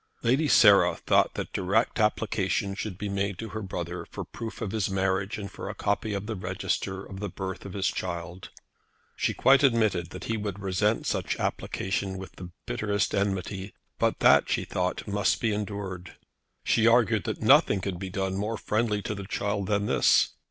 Lady Sarah thought that direct application should be made to her brother for proof of his marriage and for a copy of the register of the birth of his child. She quite admitted that he would resent such application with the bitterest enmity. But that she thought must be endured. She argued that nothing could be done more friendly to the child than this.